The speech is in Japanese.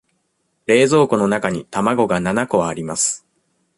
冷蔵庫の中に卵が七個あります。